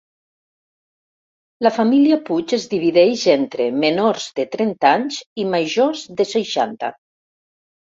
La família Puig es divideix entre menors de trenta anys i majors de seixanta.